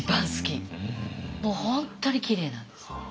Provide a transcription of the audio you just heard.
もう本当にきれいなんです。